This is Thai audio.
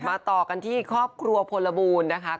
ต่อกันที่ครอบครัวพลบูลนะคะ